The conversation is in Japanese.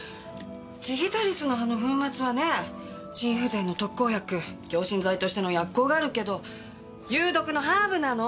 ジギタリスの葉の粉末はね心不全の特効薬強心剤としての薬効があるけど有毒のハーブなの！